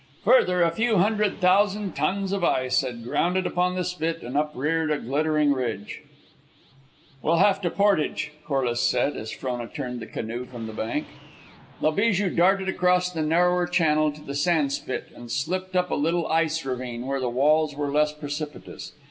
Further, a few hundred thousand tons of ice had grounded upon the spit and upreared a glittering ridge. "We'll have to portage," Corliss said, as Frona turned the canoe from the bank. La Bijou darted across the narrower channel to the sand spit and slipped up a little ice ravine, where the walls were less precipitous.